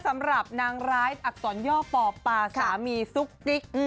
สำหรับนางร้ายอักษรย่อป่อปาสามีซุกจิ๊ก